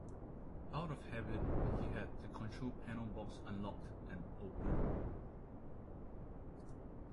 Out of habit he had the control panel box unlocked and opened.